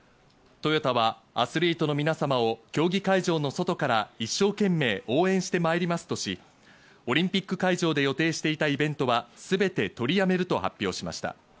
トヨタはアスリートの皆様を競技会場の外から一生懸命応援してまいりますとし、オリンピック会場で予定していたイベントはすべて取りやめると発表しました。